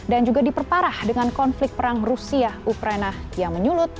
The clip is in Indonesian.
dan juga diperparah dengan konflik perang rusia ukraine yang menyulut